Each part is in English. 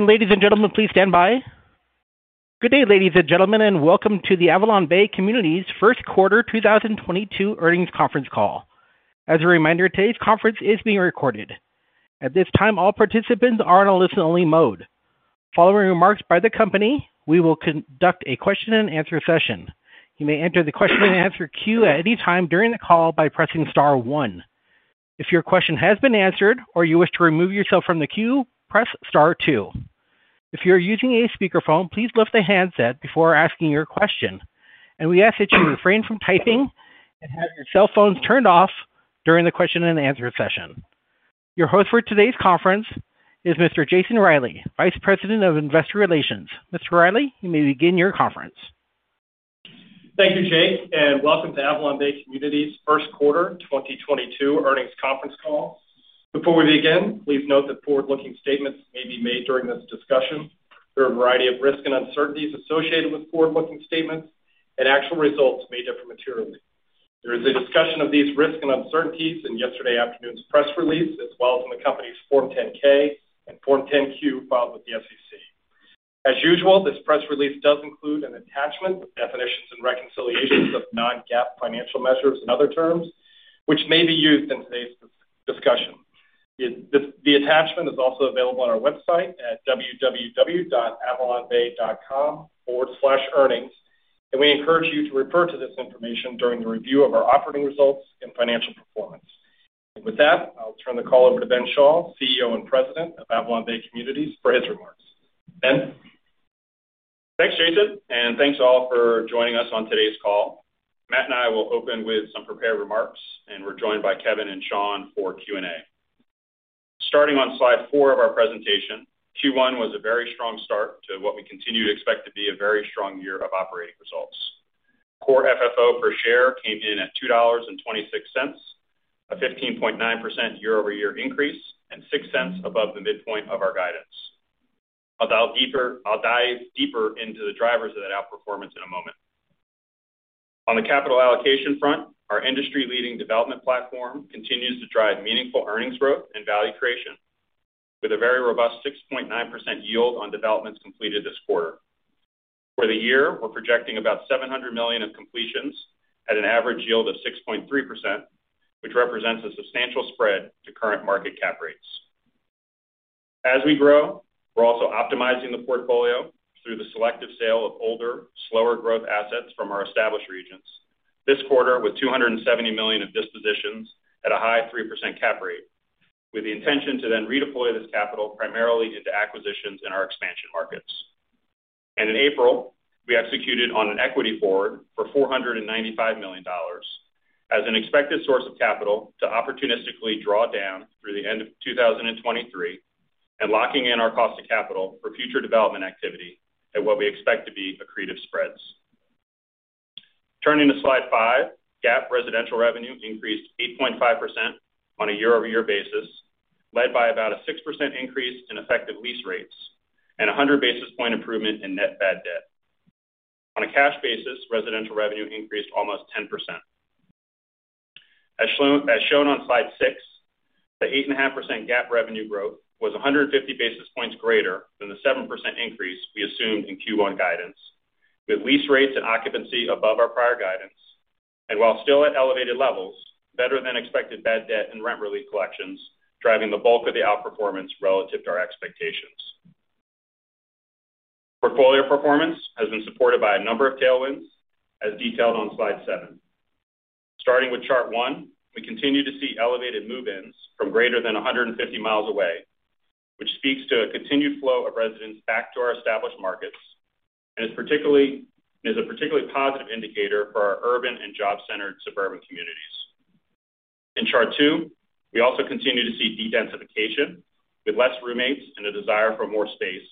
Ladies and gentlemen, please stand by. Good day, ladies and gentlemen, and welcome to the AvalonBay Communities' first quarter 2022 earnings conference call. As a reminder, today's conference is being recorded. At this time, all participants are in a listen-only mode. Following remarks by the company, we will conduct a question and answer session. You may enter the question and answer queue at any time during the call by pressing star one.. If your question has been answered or you wish to remove yourself from the queue, press star two. If you're using a speakerphone, please lift the handset before asking your question. We ask that you refrain from typing and have your cell phones turned off during the question and answer session. Your host for today's conference is Mr. Jason Reilley, Vice President of Investor Relations. Mr. Reilley, you may begin your conference. Thank you, Jake, and welcome to AvalonBay Communities' first quarter 2022 earnings conference call. Before we begin, please note that forward-looking statements may be made during this discussion. There are a variety of risks and uncertainties associated with forward-looking statements, and actual results may differ materially. There is a discussion of these risks and uncertainties in yesterday afternoon's press release, as well as in the company's Form 10-K and Form 10-Q filed with the SEC. As usual, this press release does include an attachment with definitions and reconciliations of non-GAAP financial measures and other terms, which may be used in today's discussion. The attachment is also available on our website at www.avalonbay.com/earnings, and we encourage you to refer to this information during the review of our operating results and financial performance. With that, I'll turn the call over to Ben Schall, CEO and President of AvalonBay Communities, for his remarks. Ben. Thanks, Jason, and thanks, all, for joining us on today's call. Matt and I will open with some prepared remarks, and we're joined by Kevin and Sean for Q&A. Starting on slide four of our presentation, Q1 was a very strong start to what we continue to expect to be a very strong year of operating results. Core FFO per share came in at $2.26, a 15.9% year-over-year increase and $0.06 Above the midpoint of our guidance. I'll dive deeper into the drivers of that outperformance in a moment. On the capital allocation front, our industry-leading development platform continues to drive meaningful earnings growth and value creation with a very robust 6.9% yield on developments completed this quarter. For the year, we're projecting about $700 million of completions at an average yield of 6.3%, which represents a substantial spread to current market cap rates. As we grow, we're also optimizing the portfolio through the selective sale of older, slower growth assets from our established regions. This quarter, with $270 million of dispositions at a high 3% cap rate, with the intention to then redeploy this capital primarily into acquisitions in our expansion markets. In April, we executed on an equity forward for $495 million as an expected source of capital to opportunistically draw down through the end of 2023 and locking in our cost of capital for future development activity at what we expect to be accretive spreads. Turning to slide five, GAAP residential revenue increased 8.5% on a year-over-year basis, led by about a 6% increase in effective lease rates and a 100 basis point improvement in net bad debt. On a cash basis, residential revenue increased almost 10%. As shown on slide six, the 8.5% GAAP revenue growth was 150 basis points greater than the 7% increase we assumed in Q1 guidance, with lease rates and occupancy above our prior guidance. While still at elevated levels, better than expected bad debt and rent relief collections, driving the bulk of the outperformance relative to our expectations. Portfolio performance has been supported by a number of tailwinds as detailed on slide seven. Starting with chart one, we continue to see elevated move-ins from greater than 150 miles away, which speaks to a continued flow of residents back to our established markets and is a particularly positive indicator for our urban and job-centered suburban communities. In chart two, we also continue to see dedensification with less roommates and a desire for more space,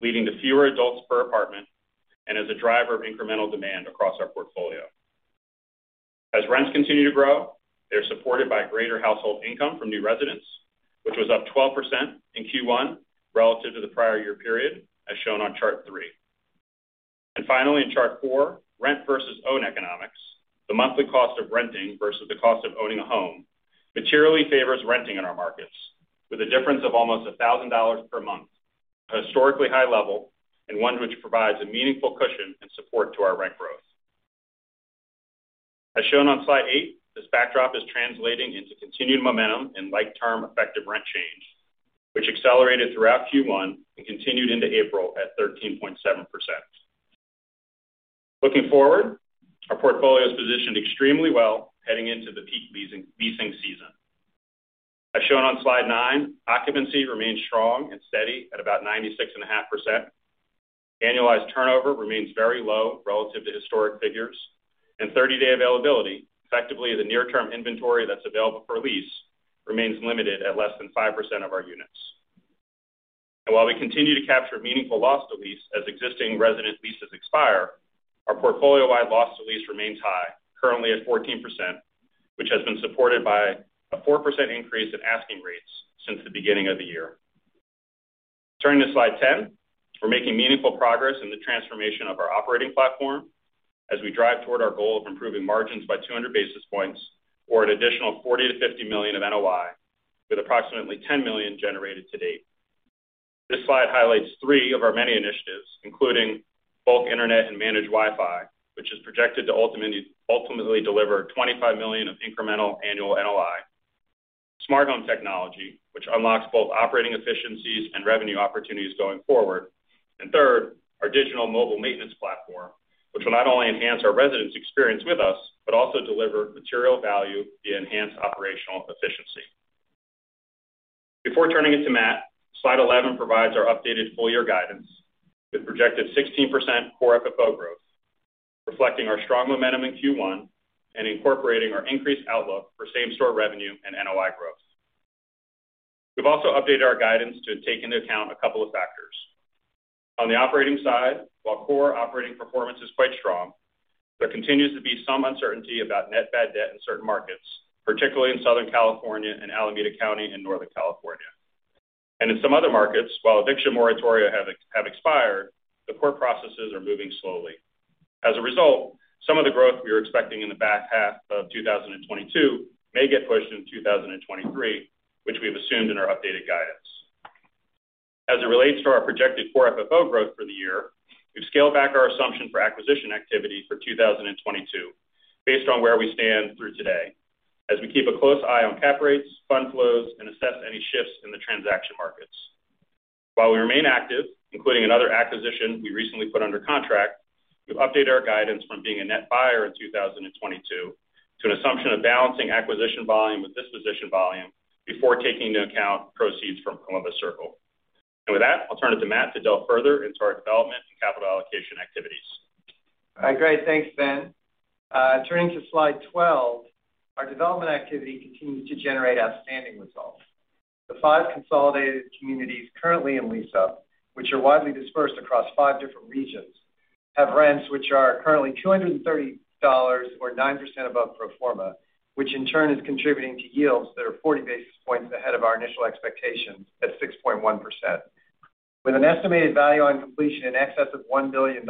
leading to fewer adults per apartment and as a driver of incremental demand across our portfolio. As rents continue to grow, they're supported by greater household income from new residents, which was up 12% in Q1 relative to the prior year period, as shown on chart three. Finally, in chart rent, rent versus own economics. The monthly cost of renting versus the cost of owning a home materially favors renting in our markets with a difference of almost $1,000 per month, a historically high level and one which provides a meaningful cushion and support to our rent growth. As shown on slide eight, this backdrop is translating into continued momentum in like-term effective rent change, which accelerated throughout Q1 and continued into April at 13.7%. Looking forward, our portfolio is positioned extremely well heading into the peak leasing season. As shown on slide nine, occupancy remains strong and steady at about 96.5%. Annualized turnover remains very low relative to historic figures, and 30-day availability, effectively the near-term inventory that's available for lease, remains limited at less than 5% of our units. While we continue to capture meaningful loss to lease as existing resident leases expire, our portfolio-wide loss to lease remains high, currently at 14%, which has been supported by a 4% increase in asking rates since the beginning of the year. Turning to slide 10. We're making meaningful progress in the transformation of our operating platform. As we drive toward our goal of improving margins by 200 basis points or an additional $40 million-$50 million of NOI, with approximately $10 million generated to date. This slide highlights three of our many initiatives, including bulk Internet and managed Wi-Fi, which is projected to ultimately deliver $25 million of incremental annual NOI. Smart home technology, which unlocks both operating efficiencies and revenue opportunities going forward. Third, our digital mobile maintenance platform, which will not only enhance our residents' experience with us, but also deliver material value via enhanced operational efficiency. Before turning it to Matt, slide 11 provides our updated full year guidance with projected 16% core FFO growth, reflecting our strong momentum in Q1 and incorporating our increased outlook for same-store revenue and NOI growth. We've also updated our guidance to take into account a couple of factors. On the operating side, while core operating performance is quite strong, there continues to be some uncertainty about net bad debt in certain markets, particularly in Southern California and Alameda County and Northern California. In some other markets, while eviction moratoria have expired, the court processes are moving slowly. As a result, some of the growth we were expecting in the back half of 2022 may get pushed into 2023, which we have assumed in our updated guidance. As it relates to our projected Core FFO growth for the year, we've scaled back our assumption for acquisition activity for 2022 based on where we stand through today, as we keep a close eye on cap rates, fund flows, and assess any shifts in the transaction markets. While we remain active, including another acquisition we recently put under contract, we've updated our guidance from being a net buyer in 2022 to an assumption of balancing acquisition volume with disposition volume before taking into account proceeds from Columbus Circle. With that, I'll turn it to Matt to delve further into our development and capital allocation activities. All right, great. Thanks, Ben. Turning to slide 12, our development activity continues to generate outstanding results. The five consolidated communities currently in lease-up, which are widely dispersed across five different regions, have rents which are currently $230 or 9% above pro forma, which in turn is contributing to yields that are 40 basis points ahead of our initial expectations at 6.1%. With an estimated value on completion in excess of $1 billion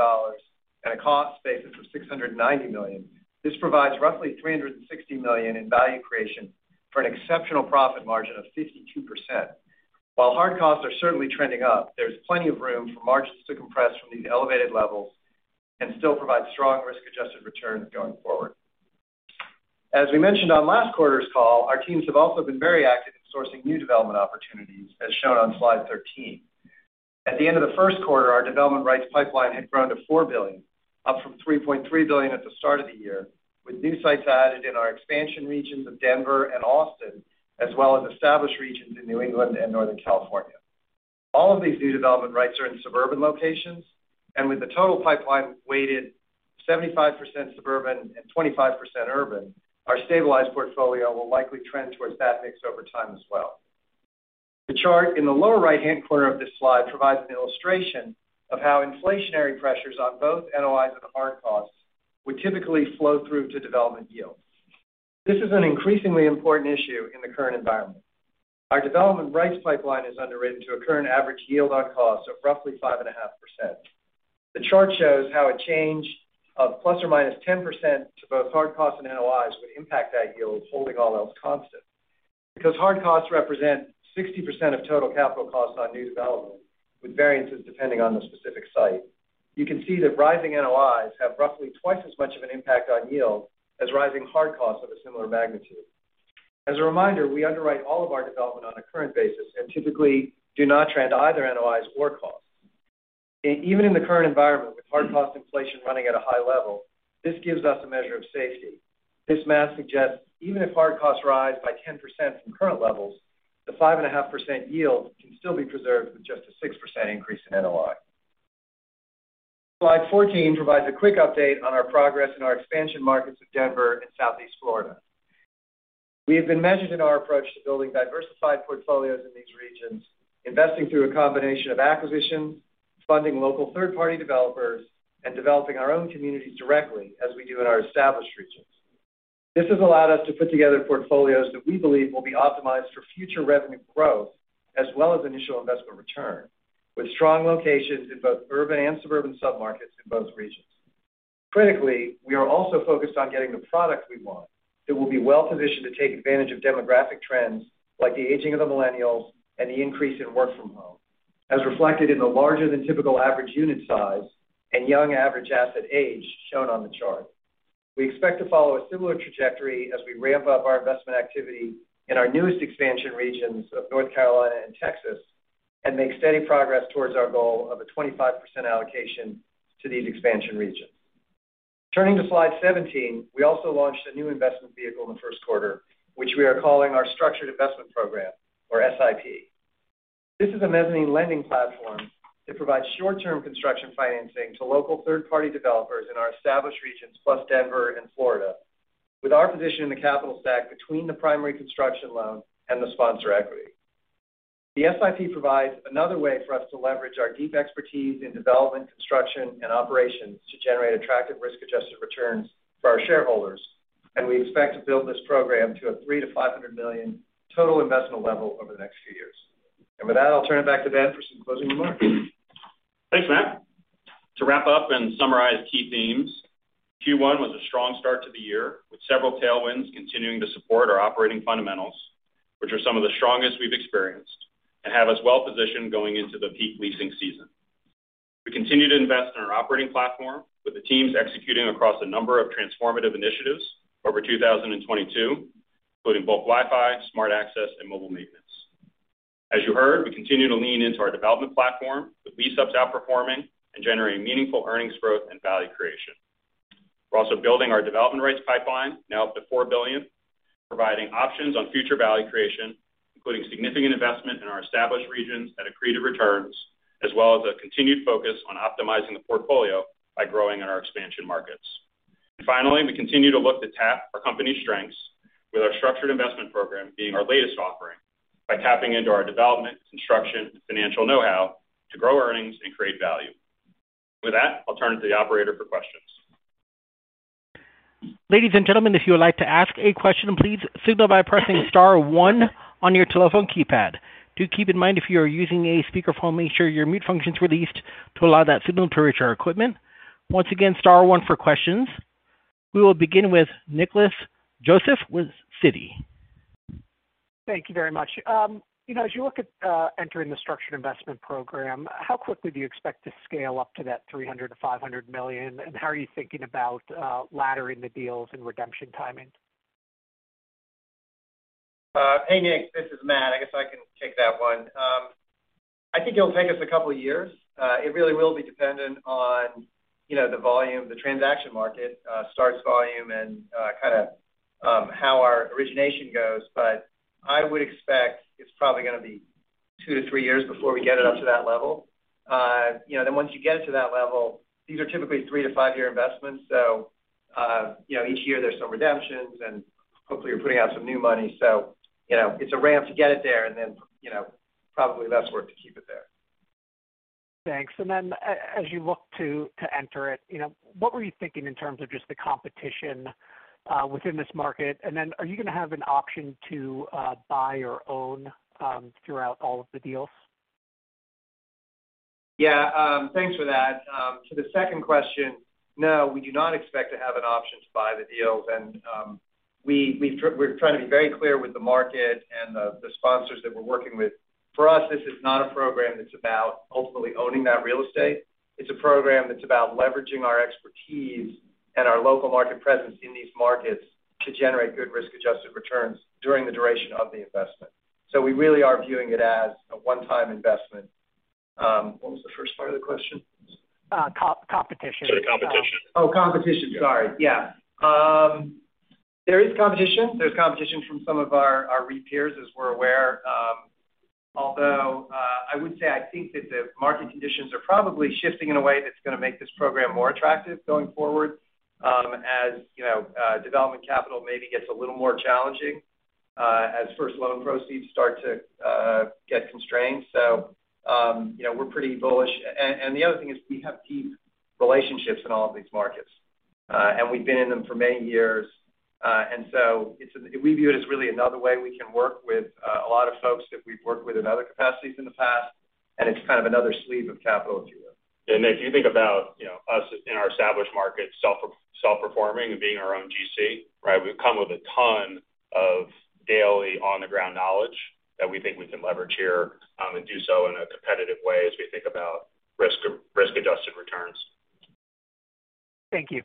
at a cost basis of $690 million, this provides roughly $360 million in value creation for an exceptional profit margin of 52%. While hard costs are certainly trending up, there's plenty of room for margins to compress from these elevated levels and still provide strong risk-adjusted returns going forward. As we mentioned on last quarter's call, our teams have also been very active in sourcing new development opportunities, as shown on slide 13. At the end of the first quarter, our development rights pipeline had grown to $4 billion, up from $3.3 billion at the start of the year, with new sites added in our expansion regions of Denver and Austin, as well as established regions in New England and Northern California. All of these new development rights are in suburban locations, and with the total pipeline weighted 75% suburban and 25% urban, our stabilized portfolio will likely trend towards that mix over time as well. The chart in the lower right-hand corner of this slide provides an illustration of how inflationary pressures on both NOIs and hard costs would typically flow through to development yields. This is an increasingly important issue in the current environment. Our development rights pipeline is underwritten to a current average yield on cost of roughly 5.5%. The chart shows how a change of ±10% to both hard costs and NOIs would impact that yield, holding all else constant. Because hard costs represent 60% of total capital costs on new development, with variances depending on the specific site, you can see that rising NOIs have roughly twice as much of an impact on yield as rising hard costs of a similar magnitude. As a reminder, we underwrite all of our development on a current basis and typically do not trend either NOIs or costs. Even in the current environment, with hard cost inflation running at a high level, this gives us a measure of safety. This math suggests even if hard costs rise by 10% from current levels, the 5.5% yield can still be preserved with just a 6% increase in NOI. Slide 14 provides a quick update on our progress in our expansion markets of Denver and Southeast Florida. We have been measured in our approach to building diversified portfolios in these regions, investing through a combination of acquisitions, funding local third-party developers, and developing our own communities directly as we do in our established regions. This has allowed us to put together portfolios that we believe will be optimized for future revenue growth as well as initial investment return, with strong locations in both urban and suburban submarkets in both regions. Critically, we are also focused on getting the product we want that will be well-positioned to take advantage of demographic trends like the aging of the millennials and the increase in work from home, as reflected in the larger than typical average unit size and young average asset age shown on the chart. We expect to follow a similar trajectory as we ramp up our investment activity in our newest expansion regions of North Carolina and Texas and make steady progress towards our goal of a 25% allocation to these expansion regions. Turning to slide 17, we also launched a new investment vehicle in the first quarter, which we are calling our Structured Investment Program, or SIP. This is a mezzanine lending platform that provides short-term construction financing to local third-party developers in our established regions plus Denver and Florida, with our position in the capital stack between the primary construction loan and the sponsor equity. The SIP provides another way for us to leverage our deep expertise in development, construction, and operations to generate attractive risk-adjusted returns for our shareholders, and we expect to build this program to a $300 million-$500 million total investment level over the next few years. With that, I'll turn it back to Ben for some closing remarks. Thanks, Matt. To wrap up and summarize key themes, Q1 was a strong start to the year, with several tailwinds continuing to support our operating fundamentals, which are some of the strongest we've experienced and have us well positioned going into the peak leasing season. We continue to invest in our operating platform with the teams executing across a number of transformative initiatives over 2022, including bulk Wi-Fi, smart access, and mobile maintenance. As you heard, we continue to lean into our development platform with lease-ups outperforming and generating meaningful earnings growth and value creation. We're also building our development pipeline now up to $4 billion, providing options on future value creation, including significant investment in our established regions that accretive returns, as well as a continued focus on optimizing the portfolio by growing in our expansion markets. Finally, we continue to look to tap our company's strengths with our Structured Investment Program being our latest offering by tapping into our development, construction, and financial know-how to grow earnings and create value. With that, I'll turn it to the operator for questions. Ladies and gentlemen, if you would like to ask a question, please signal by pressing star one on your telephone keypad. Do keep in mind, if you are using a speakerphone, make sure your mute function's released to allow that signal to reach our equipment. Once again, star one for questions. We will begin with Nicholas Joseph with Citi. Thank you very much. You know, as you look at entering the Structured Investment Program, how quickly do you expect to scale up to that $300 million-$500 million? How are you thinking about laddering the deals and redemption timing? Hey, Nick, this is Matt. I guess I can take that one. I think it'll take us a couple of years. It really will be dependent on, you know, the volume, the transaction market, starts volume and, kinda, how our origination goes, but I would expect it's probably gonna be two to three years before we get it up to that level. You know, then once you get it to that level, these are typically three to five-year investments. You know, each year there's some redemptions, and hopefully you're putting out some new money. You know, it's a ramp to get it there and then, you know, probably less work to keep it there. Thanks. As you look to enter it, you know, what were you thinking in terms of just the competition within this market? Are you gonna have an option to buy or own throughout all of the deals? Yeah, thanks for that. To the second question, no, we do not expect to have an option to buy the deals. We're trying to be very clear with the market and the sponsors that we're working with. For us, this is not a program that's about ultimately owning that real estate. It's a program that's about leveraging our expertise and our local market presence in these markets to generate good risk-adjusted returns during the duration of the investment. We really are viewing it as a one-time investment. What was the first part of the question? Competition. Sorry, competition. Oh, competition. Sorry. Yeah. There is competition. There's competition from some of our REIT peers, as we're aware. Although I would say I think that the market conditions are probably shifting in a way that's gonna make this program more attractive going forward, as you know, development capital maybe gets a little more challenging, as first loan proceeds start to get constrained. You know, we're pretty bullish. The other thing is we have deep relationships in all of these markets, and we've been in them for many years. We view it as really another way we can work with a lot of folks that we've worked with in other capacities in the past, and it's kind of another sleeve of capital, if you will. Nick, if you think about, you know, us in our established market, self-performing and being our own GC, right? We've come with a ton of daily on-the-ground knowledge that we think we can leverage here, and do so in a competitive way as we think about risk-adjusted returns. Thank you.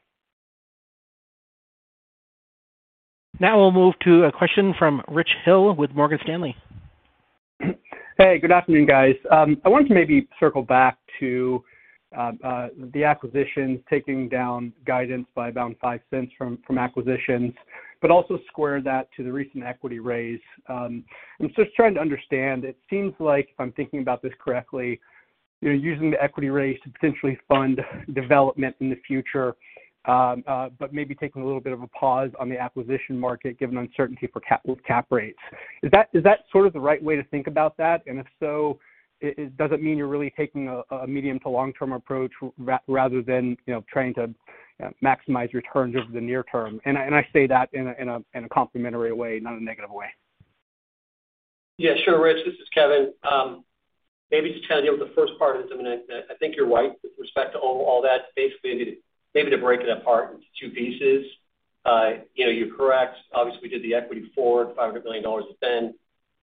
Now we'll move to a question from Rich Hill with Morgan Stanley. Hey, good afternoon, guys. I wanted to maybe circle back to the acquisition taking down guidance by about $0.05 from acquisitions, but also square that to the recent equity raise. I'm just trying to understand. It seems like if I'm thinking about this correctly, you're using the equity raise to potentially fund development in the future, but maybe taking a little bit of a pause on the acquisition market given uncertainty with cap rates. Is that sort of the right way to think about that? If so, does it mean you're really taking a medium to long-term approach rather than, you know, trying to maximize returns over the near term? I say that in a complimentary way, not a negative way. Yeah, sure, Rich. This is Kevin. Maybe just to kind of deal with the first part of this, I mean, I think you're right with respect to all that. Basically, maybe to break it apart into two pieces. You know, you're correct. Obviously, we did the equity forward, $500 million to spend.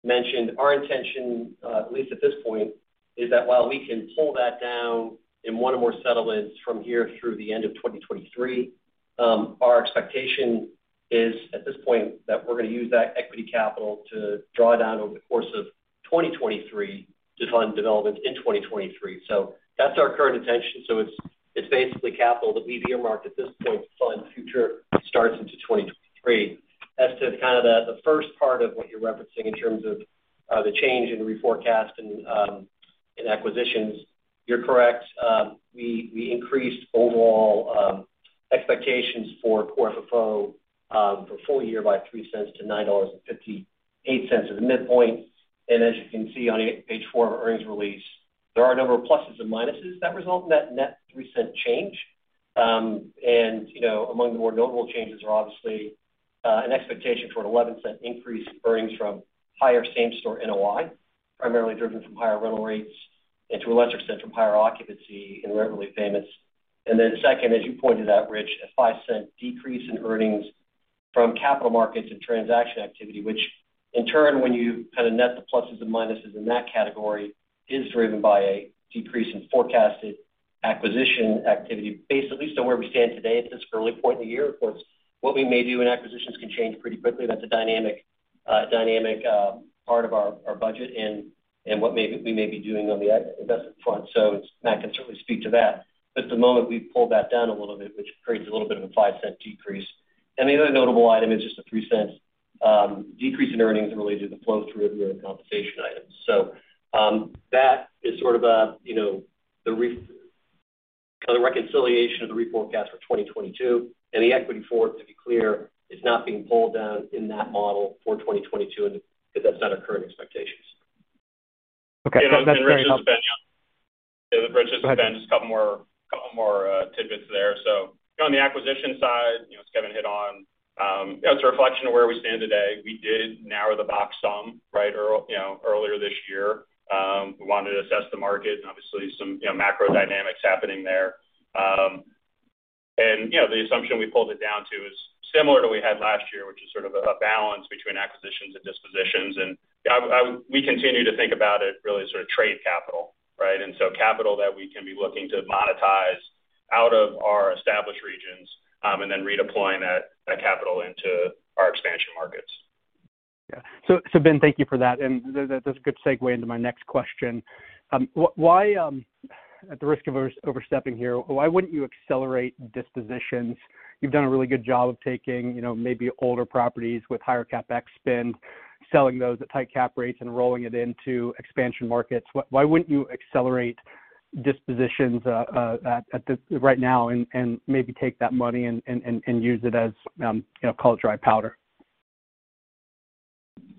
Mentioned our intention, at least at this point, is that while we can pull that down in one or more settlements from here through the end of 2023, our expectation is at this point that we're gonna use that equity capital to draw down over the course of 2023 to fund development in 2023. That's our current intention. It's basically capital that we've earmarked at this point to fund future starts into 2023. As to kind of the first part of what you're referencing in terms of the change in reforecast and in acquisitions, you're correct. We increased overall expectations for Core FFO for full year by $0.03 to 9.58 as a midpoint. As you can see on page 4 of our earnings release, there are a number of pluses and minuses that result in that net $0.03 change. You know, among the more notable changes are obviously An expectation for a $0.11 increase in earnings from higher same store NOI, primarily driven from higher rental rates and to a lesser extent from higher occupancy in rent relief payments. Then second, as you pointed out, Rich, a $0.05 decrease in earnings from capital markets and transaction activity, which in turn, when you kind of net the pluses and minuses in that category, is driven by a decrease in forecasted acquisition activity, basically. Where we stand today at this early point in the year, of course, what we may do in acquisitions can change pretty quickly. That's a dynamic part of our budget and what we may be doing on the investment front. Matt can certainly speak to that. At the moment, we've pulled that down a little bit, which creates a little bit of a $0.05 decrease. The other notable item is just a $0.03 decrease in earnings related to the flow through of your compensation items. That is sort of a, you know, kind of reconciliation of the reforecast for 2022. The equity forward, to be clear, is not being pulled down in that model for 2022 because that's not our current expectations. Okay. That's very helpful. Yeah. This is Ben. Go ahead. This is Ben. Just a couple more tidbits there. On the acquisition side, you know, as Kevin hit on, you know, it's a reflection of where we stand today. We did narrow the box some, right, earlier this year. We wanted to assess the market and obviously some, you know, macro dynamics happening there. You know, the assumption we pulled it down to is similar to what we had last year, which is sort of a balance between acquisitions and dispositions. We continue to think about it really as sort of trade capital, right? Capital that we can be looking to monetize out of our established regions, and then redeploying that capital into our expansion markets. Yeah. Ben, thank you for that, and that's a good segue into my next question. Why, at the risk of overstepping here, why wouldn't you accelerate dispositions? You've done a really good job of taking, you know, maybe older properties with higher CapEx spend, selling those at tight cap rates and rolling it into expansion markets. Why wouldn't you accelerate dispositions at right now and maybe take that money and use it as, you know, call it dry powder?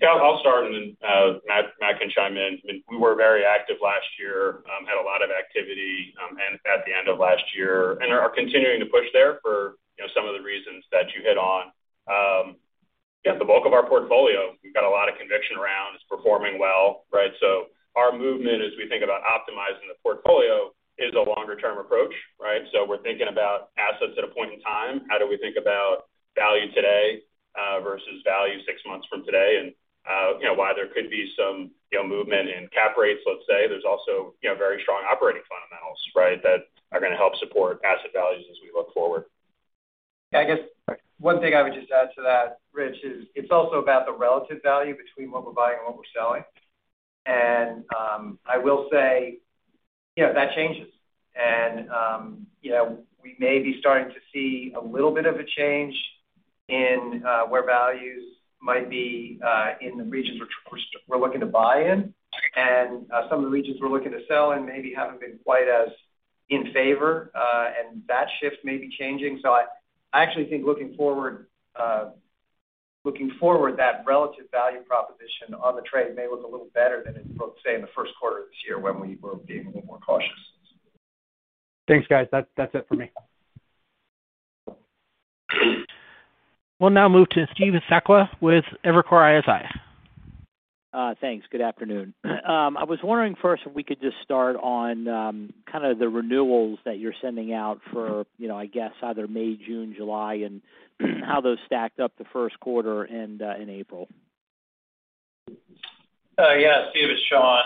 Yeah, I'll start and then, Matt can chime in. I mean, we were very active last year, had a lot of activity, and at the end of last year, and are continuing to push there for, you know, some of the reasons that you hit on. Yeah, the bulk of our portfolio, we've got a lot of conviction around is performing well, right? So our movement as we think about optimizing the portfolio is a longer-term approach, right? So we're thinking about assets at a point in time. How do we think about value today, versus value six months from today? You know, while there could be some, you know, movement in cap rates, let's say, there's also, you know, very strong operating fundamentals, right, that are gonna help support asset values as we look forward. Yeah, I guess one thing I would just add to that, Rich, is it's also about the relative value between what we're buying and what we're selling. I will say, you know, that changes. You know, we may be starting to see a little bit of a change in where values might be in the regions which we're looking to buy in. Some of the regions we're looking to sell in maybe haven't been quite as in favor, and that shift may be changing. I actually think looking forward that relative value proposition on the trade may look a little better than in, say, in the first quarter of this year when we were being a little more cautious. Thanks, guys. That's it for me. We'll now move to Steve Sakwa with Evercore ISI. Thanks. Good afternoon. I was wondering first if we could just start on kind of the renewals that you're sending out for, you know, I guess either May, June, July, and how those stacked up the first quarter and in April? Yeah, Steve, it's Sean.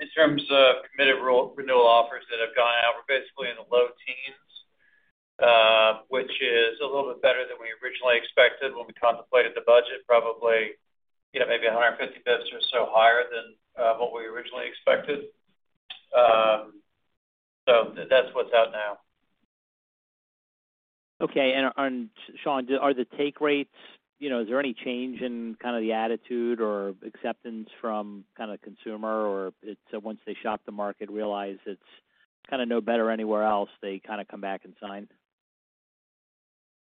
In terms of committed renewal offers that have gone out, we're basically in the low teens, which is a little bit better than we originally expected when we contemplated the budget, probably, you know, maybe 150 basis or so higher than what we originally expected. So that's what's out now. Okay. Sean, are the take rates, you know, is there any change in kind of the attitude or acceptance from kind of the consumer? Or it's once they shop the market, realize it's kind of no better anywhere else, they kind of come back and sign?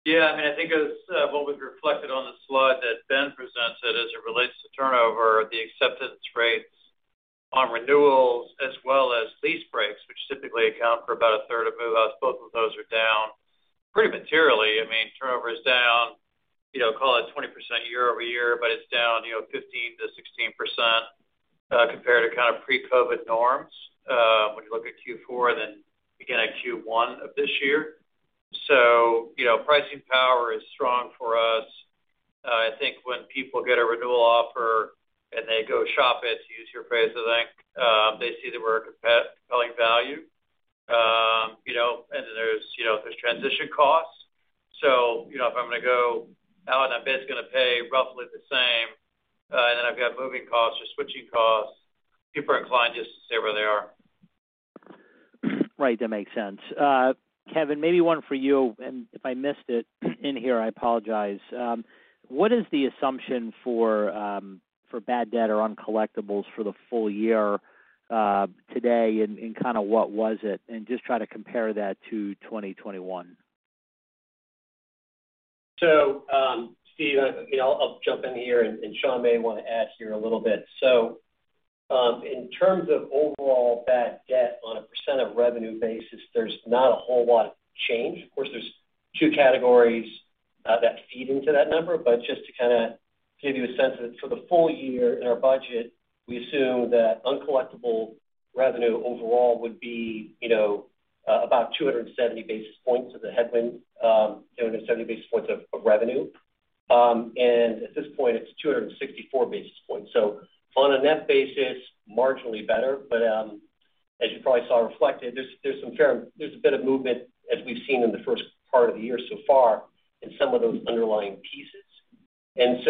Yeah, I mean, I think as what was reflected on the slide that Ben presented as it relates to turnover, the acceptance rates on renewals as well as lease breaks, which typically account for about a third of move outs, both of those are down pretty materially. I mean, turnover is down, you know, call it 20% year-over-year, but it's down, you know, 15%-16% compared to kind of pre-COVID norms, when you look at Q4 and then again at Q1 of this year. So, you know, pricing power is strong for us. I think when people get a renewal offer and they go shop it, to use your phrase, I think, they see that we're a compelling value. You know, and then there's, you know, there's transition costs. You know, if I'm gonna go out and I'm basically gonna pay roughly the same, and then I've got moving costs or switching costs, people are inclined just to stay where they are. Right. That makes sense. Kevin, maybe one for you, and if I missed it in here, I apologize. What is the assumption for bad debt or uncollectibles for the full year, today and kind of what was it? Just try to compare that to 2021. Steve, I mean, I'll jump in here and Sean may want to add here a little bit. In terms of overall bad debt on a percent of revenue basis, there's not a whole lot of change. Of course, there's two categories that feed into that number. Just to kind of give you a sense of it, for the full year in our budget, we assume that uncollectible revenue overall would be, you know, about 270 basis points as a headwind, 270 basis points of revenue. At this point it's 264 basis points. On a net basis, marginally better, but as you probably saw reflected, there's a bit of movement as we've seen in the first part of the year so far in some of those underlying pieces.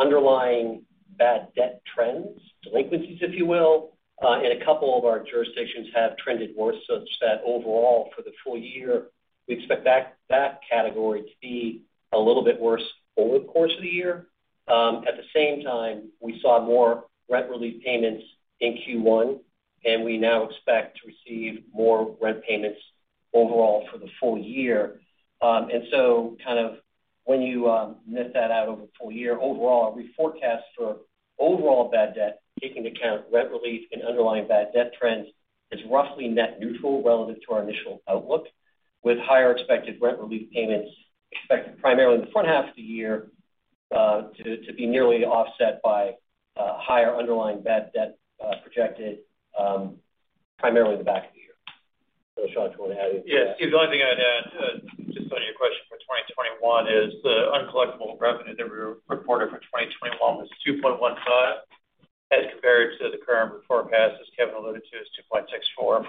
Underlying bad debt trends, delinquencies if you will, in a couple of our jurisdictions have trended worse such that overall for the full year, we expect that category to be a little bit worse over the course of the year. At the same time, we saw more rent relief payments in Q1, and we now expect to receive more rent payments overall for the full year. Net that out over the full year, overall, our forecast for overall bad debt, taking into account rent relief and underlying bad debt trends, is roughly net neutral relative to our initial outlook, with higher expected rent relief payments expected primarily in the front half of the year, to be nearly offset by higher underlying bad debt projected primarily in the back half of the year. Sean, do you want to add anything? Yes, Steve, the only thing I'd add, just on your question for 2021, is the uncollectible revenue that we reported for 2021 was 2.15%, as compared to the current forecast, as Kevin alluded to, is 2.64%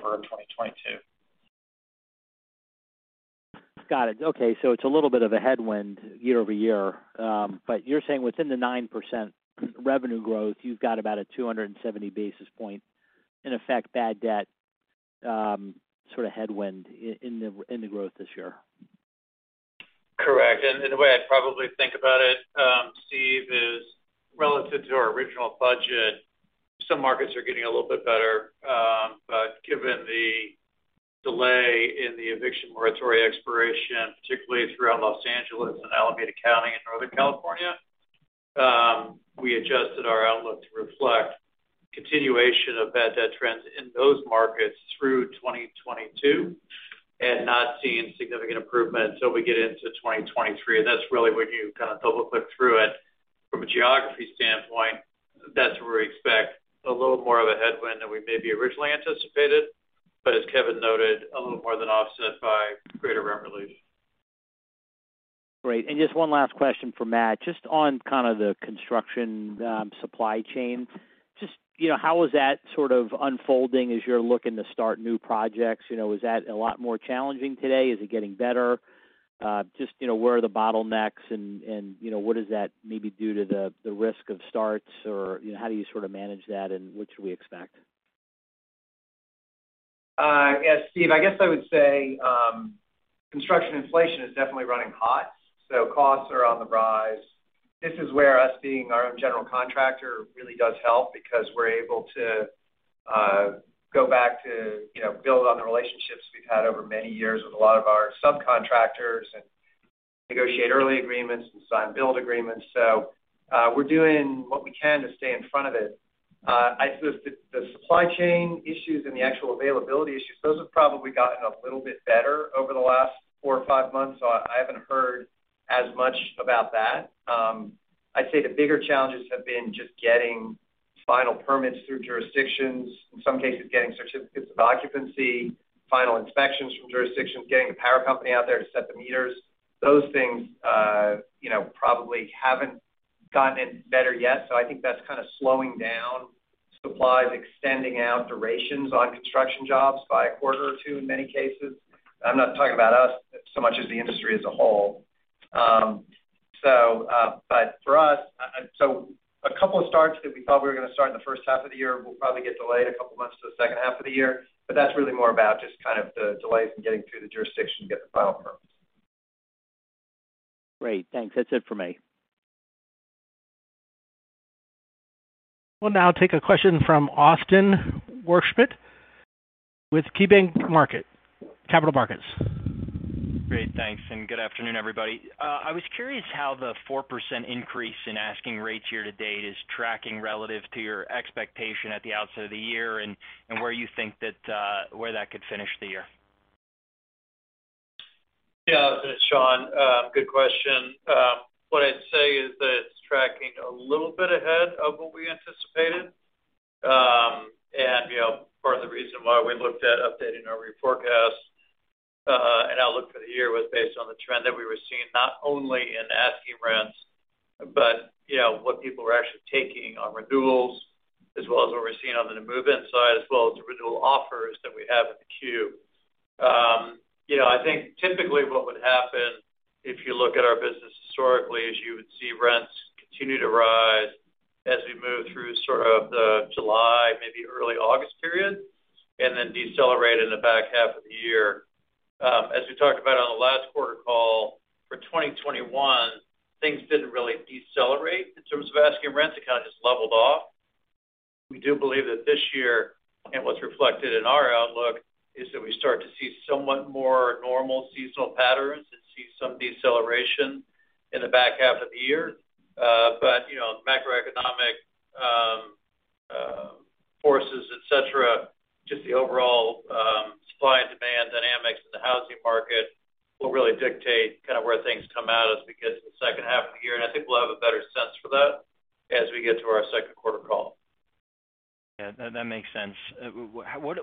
for 2022. Got it. Okay. It's a little bit of a headwind year-over-year. You're saying within the 9% revenue growth, you've got about a 270 basis points, in effect, bad debt, sort of headwind in the growth this year. Correct. The way I'd probably think about it, Steve is relative to our original budget, some markets are getting a little bit better. Given the delay in the eviction moratorium expiration, particularly throughout Los Angeles and Alameda County and Northern California, we adjusted our outlook to reflect continuation of bad debt trends in those markets through 2022, and not seeing significant improvement until we get into 2023. That's really when you kind of double-click through it from a geography standpoint, that's where we expect a little more of a headwind than we maybe originally anticipated. As Kevin noted, a little more than offset by greater rent relief. Great. Just one last question for Matt, just on kind of the construction, supply chain. Just, you know, how is that sort of unfolding as you're looking to start new projects? You know, is that a lot more challenging today? Is it getting better? Just, you know, where are the bottlenecks and, you know, what does that maybe do to the risk of starts? Or, you know, how do you sort of manage that, and what should we expect? Yeah, Steve, I guess I would say, construction inflation is definitely running hot, so costs are on the rise. This is where us being our own general contractor really does help because we're able to go back to, you know, build on the relationships we've had over many years with a lot of our subcontractors and negotiate early agreements and sign build agreements. We're doing what we can to stay in front of it. The supply chain issues and the actual availability issues, those have probably gotten a little bit better over the last four or five months. I haven't heard as much about that. I'd say the bigger challenges have been just getting final permits through jurisdictions. In some cases, getting certificates of occupancy, final inspections from jurisdictions, getting the power company out there to set the meters. Those things, you know, probably haven't gotten any better yet. I think that's kind of slowing down supplies, extending out durations on construction jobs by a quarter or two in many cases. I'm not talking about us so much as the industry as a whole. For us, a couple of starts that we thought we were gonna start in the first half of the year will probably get delayed a couple months to the second half of the year, but that's really more about just kind of the delays in getting through the jurisdiction to get the final permits. Great. Thanks. That's it for me. We'll now take a question from Austin Wurschmidt with KeyBanc Capital Markets. Great. Thanks, and good afternoon, everybody. I was curious how the 4% increase in asking rates year to date is tracking relative to your expectation at the outset of the year and where you think that could finish the year. Yeah. This is Sean. Good question. What I'd say is that it's tracking a little bit ahead of what we anticipated. You know, part of the reason why we looked at updating our forecast and outlook for the year was based on the trend that we were seeing, not only in asking rents, but you know, what people were actually taking on renewals as well as what we're seeing on the move-in side, as well as the renewal offers that we have in the queue. You know, I think typically what would happen if you look at our business historically is you would see rents continue to rise as we move through sort of the July, maybe early August period, and then decelerate in the back half of the year. As we talked about on the last quarter call, for 2021, things didn't really decelerate in terms of asking rents. It kind of just leveled off. We do believe that this year, and what's reflected in our outlook, is that we start to see somewhat more normal seasonal patterns and see some deceleration in the back half of the year. But you know, macroeconomic forces, et cetera, just the overall supply and demand dynamics in the housing market will really dictate kind of where things come out as we get to the second half of the year. I think we'll have a better sense for that as we get to our second quarter call. Yeah, that makes sense. What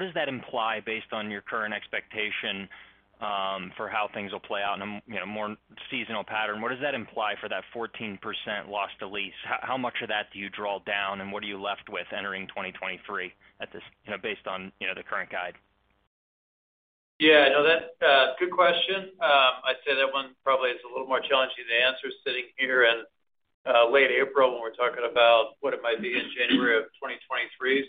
does that imply based on your current expectation for how things will play out in a, you know, more seasonal pattern? What does that imply for that 14% loss to lease? How much of that do you draw down, and what are you left with entering 2023 at this you know, based on, you know, the current guide? Yeah, no, that's a good question. I'd say that one probably is a little more challenging to answer sitting here in late April when we're talking about what it might be in January of 2023.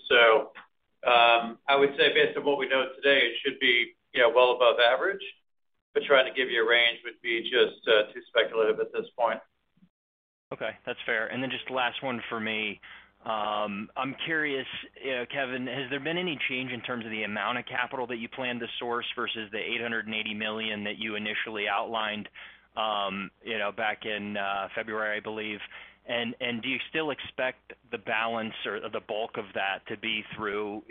I would say based on what we know today, it should be, you know, well above average, but trying to give you a range would be just too speculative at this point. Okay, that's fair. Just last one for me. I'm curious, Kevin, has there been any change in terms of the amount of capital that you plan to source versus the $880 million that you initially outlined back in February, I believe? Do you still expect the balance or the bulk of that to be through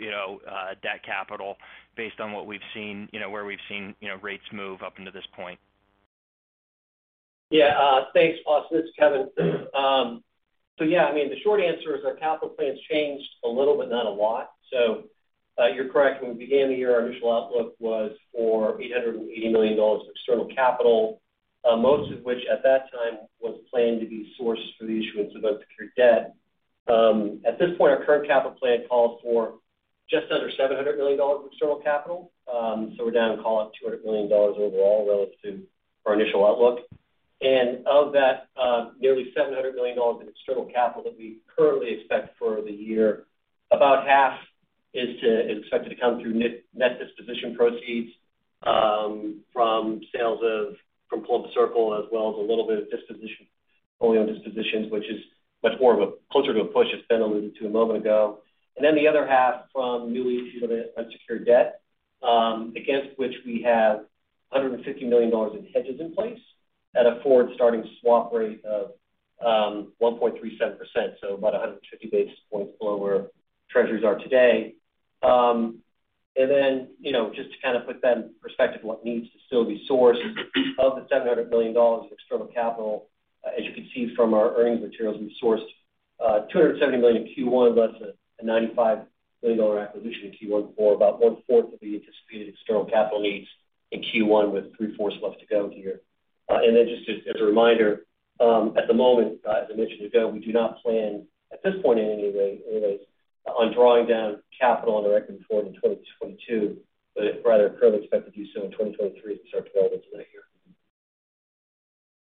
debt capital based on what we've seen where we've seen rates move up to this point? Yeah. Thanks, Austin. This is Kevin. Yeah, I mean, the short answer is our capital plan has changed a little, but not a lot. You're correct. When we began the year, our initial outlook was for $880 million of external capital, most of which at that time was planned to be sourced through the issuance of unsecured debt. At this point, our current capital plan calls for just under $700 million of external capital. We're down call it $200 million overall relative to our initial outlook. Of that, nearly $700 million in external capital that we currently expect for the year, about half is expected to come through net disposition proceeds from Columbus Circle, as well as a little bit of dispositions only on dispositions, which is much closer to a push, as Ben alluded to a moment ago. The other half from new issues of unsecured debt, against which we have $150 million in hedges in place at a forward starting swap rate of 1.37%, so about 150 basis points below where Treasuries are today. You know, just to kind of put that in perspective what needs to still be sourced of the $700 million of external capital, as you can see from our earnings materials, we sourced $270 million in Q1, less a $95 million acquisition in Q1 for about one-fourth of the anticipated external capital needs in Q1, with three-fourths left to go here. Just as a reminder, at the moment, as I mentioned ago, we do not plan at this point in any way, anyways, on drawing down capital on the equity forward in 2022, but rather currently expect to do so in 2023 as it starts to become relevant to that year.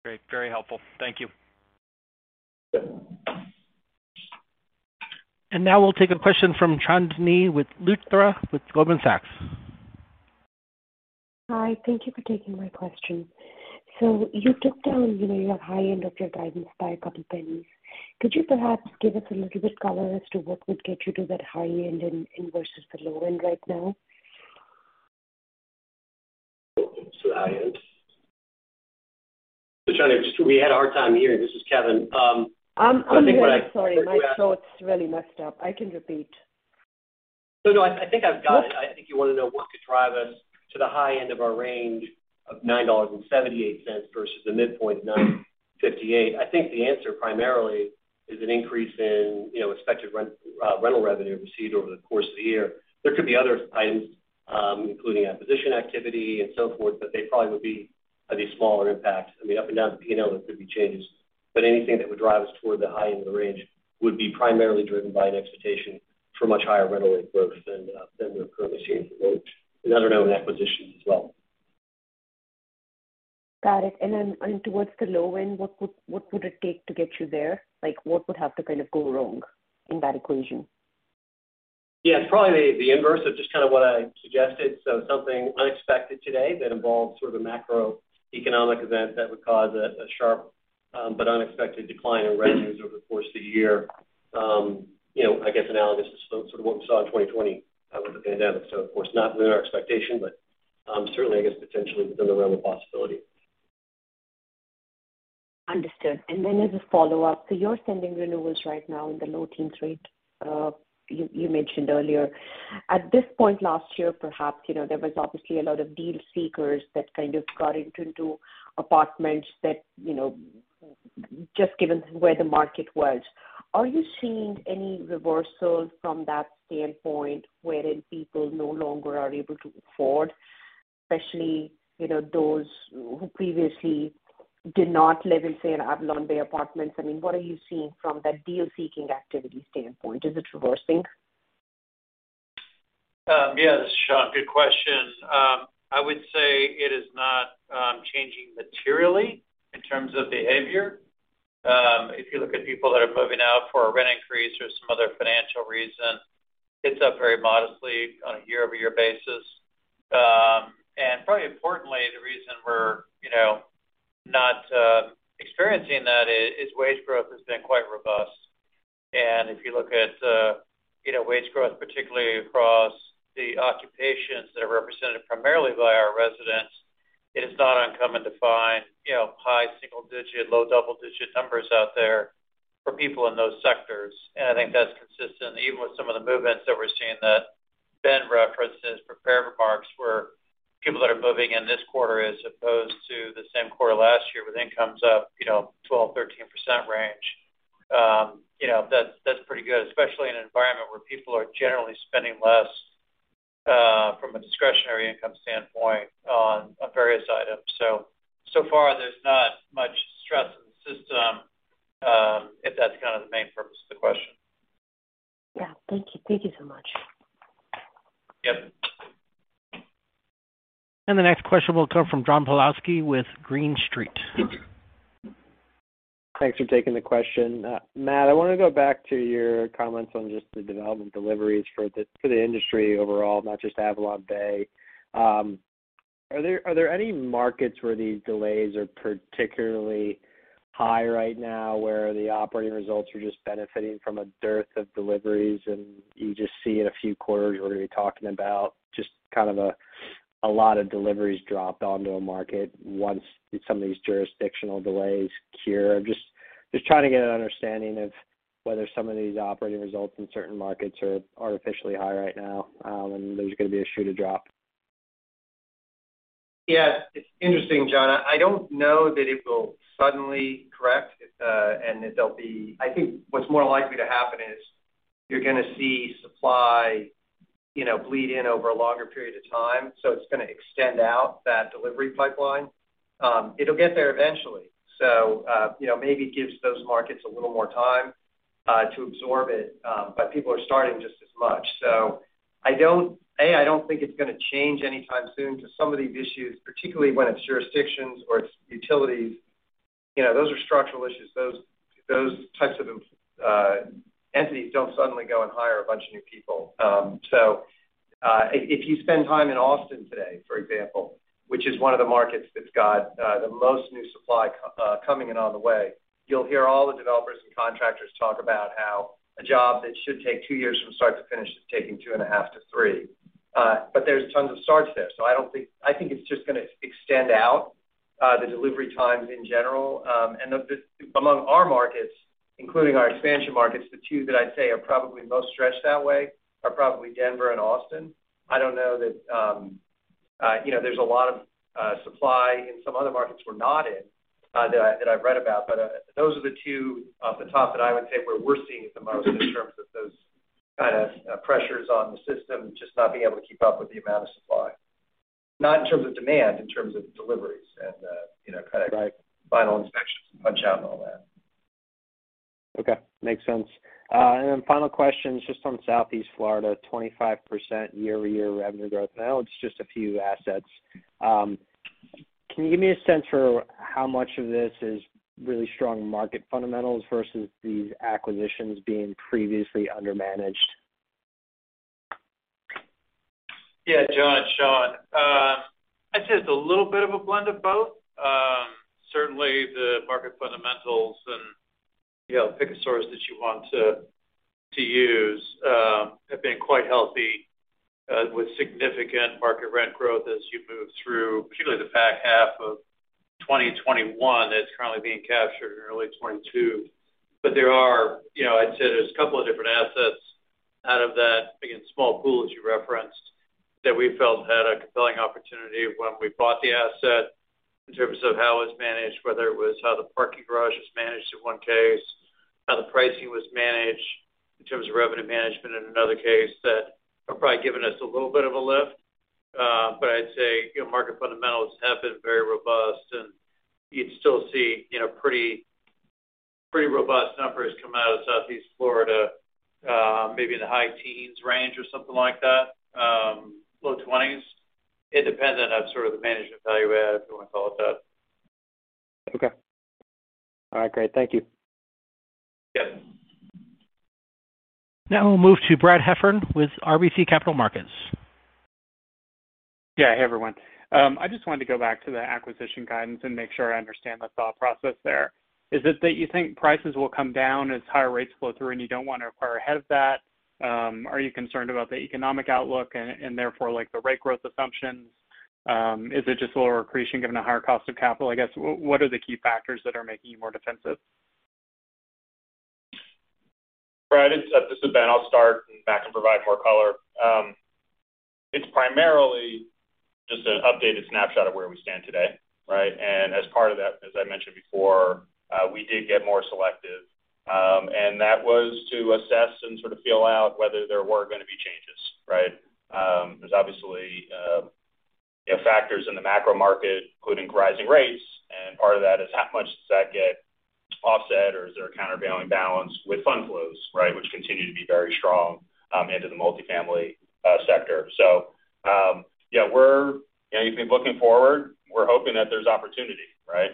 Great. Very helpful. Thank you. Yep. Now we'll take a question from Chandni Luthra with Goldman Sachs. Hi. Thank you for taking my question. You took down, you know, your high end of your guidance by a couple pennies. Could you perhaps give us a little bit color as to what would get you to that high end in versus the low end right now? To the high end. Chandni, just we had a hard time hearing. This is Kevin. I think what I- I'm here. Sorry, my throat's really messed up. I can repeat. No, I think I've got it. I think you want to know what could drive us to the high end of our range of $9.78 versus the midpoint $9.58. I think the answer primarily is an increase in, you know, expected rent, rental revenue received over the course of the year. There could be other items, including acquisition activity and so forth, but they probably would be of a smaller impact. I mean, up and down the P&L, there could be changes, but anything that would drive us toward the high end of the range would be primarily driven by an expectation for much higher rental rate growth than than we're currently seeing for both and I don't know, in acquisitions as well. Got it. Towards the low end, what would it take to get you there? Like, what would have to kind of go wrong in that equation? Yeah, it's probably the inverse of just kind of what I suggested. Something unexpected today that involves sort of a macroeconomic event that would cause a sharp, but unexpected decline in revenues over the course of the year. You know, I guess analogous to sort of what we saw in 2020 with the pandemic. Of course not within our expectation, but certainly I guess potentially within the realm of possibility. Understood. As a follow-up, you're sending renewals right now in the low teens rate, you mentioned earlier. At this point last year, perhaps, you know, there was obviously a lot of deal seekers that kind of got into apartments that, you know, just given where the market was. Are you seeing any reversal from that standpoint wherein people no longer are able to afford, especially, you know, those who previously did not live in, say, an AvalonBay apartments? I mean, what are you seeing from that deal-seeking activity standpoint? Is it reversing? Yeah. This is Sean. Good question. I would say it is not changing materially in terms of behavior. If you look at people that are moving out for a rent increase or some other financial reason, it's up very modestly on a year-over-year basis. Probably importantly, the reason we're, you know, not experiencing that is wage growth has been quite robust. If you look at, you know, wage growth, particularly across the occupations that are represented primarily by our residents, it is not uncommon to find, you know, high single digit, low double-digit numbers out there for people in those sectors. I think that's consistent even with some of the movements that we're seeing that Ben referenced in his prepared remarks, where people that are moving in this quarter as opposed to the same quarter last year with incomes up, you know, 12%-13% range. You know, that's pretty good, especially in an environment where people are generally spending less from a discretionary income standpoint on various items. So far there's not much stress in the system, if that's kind of the main purpose of the question. Yeah. Thank you. Thank you so much. Yep. The next question will come from John Pawlowski with Green Street. Thanks for taking the question. Matt, I wanna go back to your comments on just the development deliveries for the industry overall, not just AvalonBay. Are there any markets where these delays are particularly high right now, where the operating results are just benefiting from a dearth of deliveries, and you just see in a few quarters what are you talking about, just kind of a lot of deliveries dropped onto a market once some of these jurisdictional delays cure? Just trying to get an understanding of whether some of these operating results in certain markets are artificially high right now, and there's gonna be a shoe to drop. Yeah. It's interesting, John. I don't know that it will suddenly correct, and that there'll be. I think what's more likely to happen is you're gonna see supply, you know, bleed in over a longer period of time, so it's gonna extend out that delivery pipeline. It'll get there eventually. Maybe it gives those markets a little more time to absorb it, but people are starting just as much. I don't think it's gonna change anytime soon because some of these issues, particularly when it's jurisdictions or it's utilities, you know, those are structural issues. Those types of entities don't suddenly go and hire a bunch of new people. If you spend time in Austin today, for example, which is one of the markets that's got the most new supply coming in on the way, you'll hear all the developers and contractors talk about how a job that should take two years from start to finish is taking two and a half to three. But there's tons of starts there. I think it's just gonna extend out the delivery times in general. Among our markets, including our expansion markets, the two that I'd say are probably most stretched that way are probably Denver and Austin. I don't know that you know, there's a lot of supply in some other markets we're not in that I've read about. Those are the two off the top that I would say where we're seeing it the most in terms of those kind of pressures on the system, just not being able to keep up with the amount of supply. Not in terms of demand, in terms of deliveries and, you know, kind of. Right Final inspections and punch out and all that. Okay. Makes sense. Final question is just on Southeast Florida, 25% year-over-year revenue growth. Now it's just a few assets. Can you give me a sense for how much of this is really strong market fundamentals versus these acquisitions being previously undermanaged? Yeah, John, Sean. I'd say it's a little bit of a blend of both. Certainly the market fundamentals and, you know, pick a source that you want to use, have been quite healthy, with significant market rent growth as you move through, particularly the back half of 2021 that's currently being captured in early 2022. There are, you know, I'd say there's a couple of different assets out of that, again, small pool as you referenced, that we felt had a compelling opportunity when we bought the asset in terms of how it was managed, whether it was how the parking garage was managed in one case, how the pricing was managed in terms of revenue management in another case that are probably giving us a little bit of a lift. I'd say, you know, market fundamentals have been very robust, and you'd still see, you know, pretty robust numbers come out of Southeast Florida, maybe in the high teens range or something like that, low twenties, independent of sort of the management value add, if you wanna call it that. Okay. All right, great. Thank you. Yep. Now we'll move to Brad Heffern with RBC Capital Markets. Yeah. Hey, everyone. I just wanted to go back to the acquisition guidance and make sure I understand the thought process there. Is it that you think prices will come down as higher rates flow through, and you don't wanna acquire ahead of that? Are you concerned about the economic outlook and therefore, like, the rate growth assumptions? Is it just lower accretion given the higher cost of capital? I guess, what are the key factors that are making you more defensive? Brad, it's this is Ben. I'll start, and Matt can provide more color. It's primarily just an updated snapshot of where we stand today, right? As part of that, as I mentioned before, we did get more selective. That was to assess and sort of feel out whether there were gonna be changes, right? There's obviously, you know, factors in the macro market, including rising rates, and part of that is how much does that get offset or is there a countervailing balance with fund flows, right? Which continue to be very strong into the multifamily sector. You know, if you're looking forward, we're hoping that there's opportunity, right?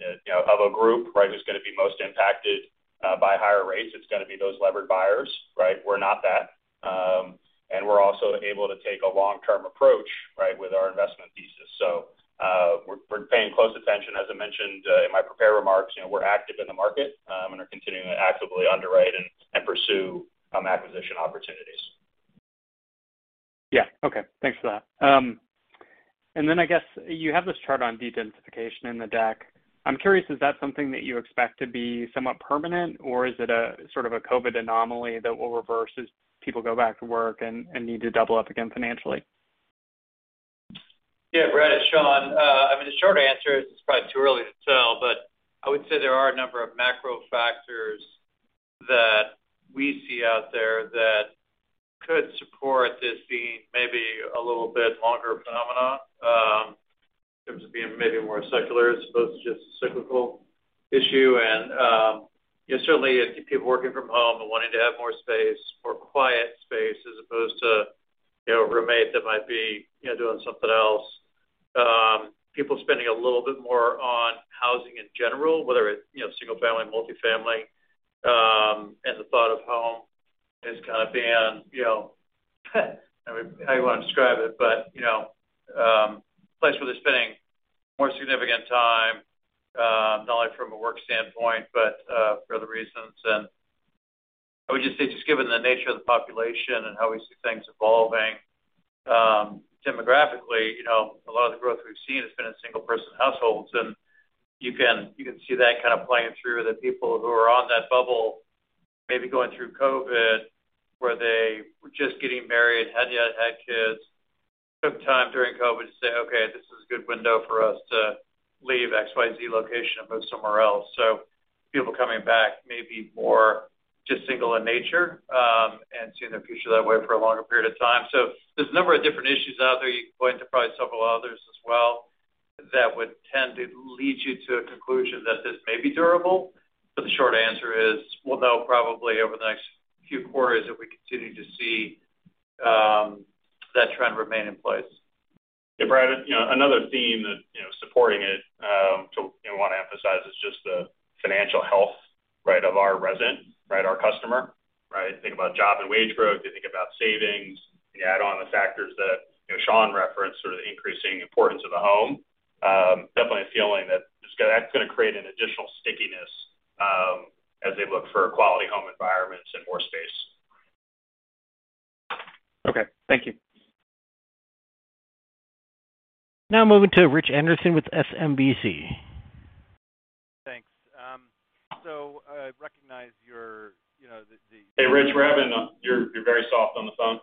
You know, of a group, right, who's gonna be most impacted by higher rates, it's gonna be those levered buyers, right? We're not that. Um- We're also able to take a long-term approach, right, with our investment thesis. We're paying close attention. As I mentioned, in my prepared remarks, you know, we're active in the market, and are continuing to actively underwrite and pursue acquisition opportunities. Yeah. Okay. Thanks for that. I guess you have this chart on dedensification in the deck. I'm curious, is that something that you expect to be somewhat permanent, or is it a sort of a COVID anomaly that will reverse as people go back to work and need to double up again financially? Yeah, Brad, it's Sean. I mean, the short answer is it's probably too early to tell, but I would say there are a number of macro factors that we see out there that could support this being maybe a little bit longer phenomenon, in terms of being maybe more secular as opposed to just cyclical issue. You know, certainly as you keep working from home and wanting to have more space, more quiet space, as opposed to, you know, a roommate that might be, you know, doing something else. People spending a little bit more on housing in general, whether it's, you know, single-family, multifamily, and the thought of home is kind of being, you know, I mean, how you want to describe it, but you know, a place where they're spending more significant time, not only from a work standpoint, but for other reasons. I would just say, just given the nature of the population and how we see things evolving, demographically, you know, a lot of the growth we've seen has been in single person households. You can see that kind of playing through the people who are on that bubble, maybe going through COVID, where they were just getting married, hadn't yet had kids, took time during COVID to say, okay, this is a good window for us to leave XYZ location and move somewhere else. People coming back may be more just single in nature, and seeing their future that way for a longer period of time. There's a number of different issues out there. You can go into probably several others as well that would tend to lead you to a conclusion that this may be durable. The short answer is we'll know probably over the next few quarters if we continue to see that trend remain in place. Yeah. Brad, you know, another theme that, you know, supporting it, to, you know, want to emphasize is just the financial health, right, of our resident, right, our customer, right? Think about job and wage growth. You think about savings. You add on the factors that, you know, Sean referenced, sort of the increasing importance of the home. Definitely a feeling that that's gonna create an additional stickiness, as they look for quality home environments and more space. Okay. Thank you. Now moving to Rich Anderson with SMBC. Thanks. I recognize your, you know, the Hey, Rich. You're very soft on the phone.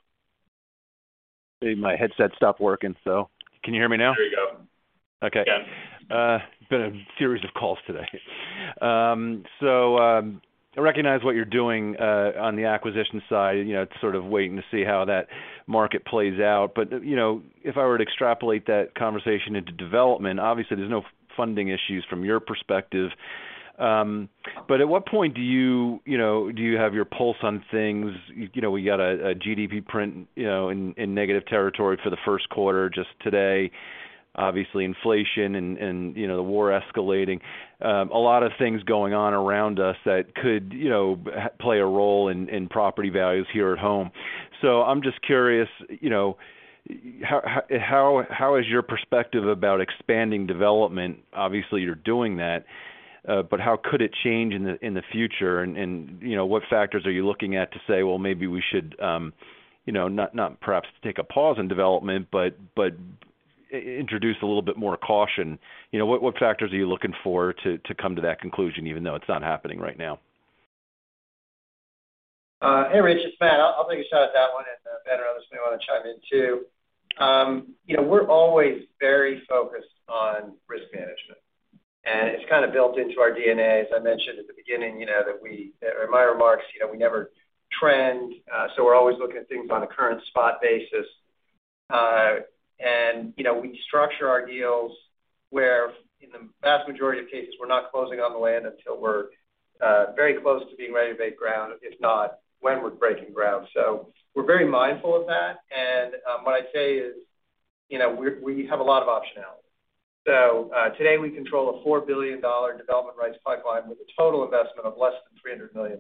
My headset stopped working, so can you hear me now? There you go. Okay. Yeah. Been a series of calls today. I recognize what you're doing on the acquisition side. You know, it's sort of waiting to see how that market plays out. You know, if I were to extrapolate that conversation into development, obviously there's no funding issues from your perspective. At what point do you have your pulse on things? You know, we got a GDP print, you know, in negative territory for the first quarter just today, obviously inflation and, you know, the war escalating. A lot of things going on around us that could, you know, play a role in property values here at home. I'm just curious, you know, how is your perspective about expanding development? Obviously, you're doing that, but how could it change in the future? You know, what factors are you looking at to say, well, maybe we should you know, not perhaps take a pause in development, but introduce a little bit more caution. You know, what factors are you looking for to come to that conclusion, even though it's not happening right now? Hey, Rich. It's Matt. I'll take a shot at that one, and Ben or others may want to chime in too. You know, we're always very focused on risk management, and it's kind of built into our DNA. As I mentioned at the beginning, you know, or in my remarks, you know, we never trend, so we're always looking at things on a current spot basis. And, you know, we structure our deals where in the vast majority of cases, we're not closing on the land until we're very close to being ready to break ground, if not when we're breaking ground. We're very mindful of that. What I'd say is, you know, we have a lot of optionality. Today we control a $4 billion development rights pipeline with a total investment of less than $300 million